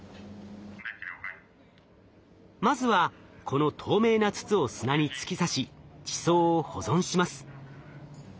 まずはこの透明な筒を砂に突き刺し地層を保存します。